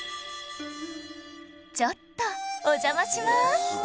ちょっとお邪魔します